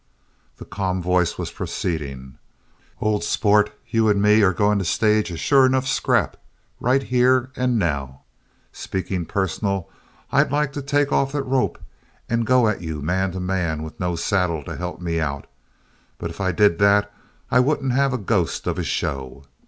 The calm voice was proceeding: "Old sport, you and me are going to stage a sure enough scrap right here and now. Speaking personal, I'd like to take off the rope and go at you man to man with no saddle to help me out. But if I did that I wouldn't have a ghost of a show.